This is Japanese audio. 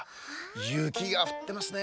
ゆきがふってますね。